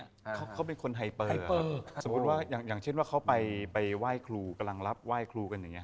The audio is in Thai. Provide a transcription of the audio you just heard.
เขาเป็นคนไฮเปอร์สมมุติว่าอย่างอย่างเช่นว่าเขาไปไหว้ครูกำลังรับไหว้ครูกันอย่างนี้